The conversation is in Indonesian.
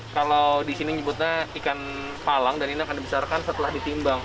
kalau di sini nyebutnya ikan palang dan ini akan dibesarkan setelah ditimbang